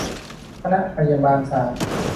คณะพยาบาลศาสตร์